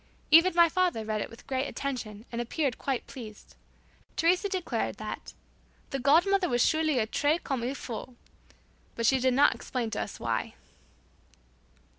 Even my father read it with great attention and appeared quite pleased. Teresa declared that "The god mother was surely a 'très comme il faut,'" but she did not explain to us why.